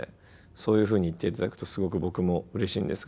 そういうふうに言っていただくとすごく僕もうれしいんですが。